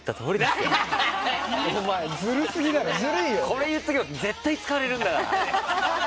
これ言っとけば絶対使われるんだから。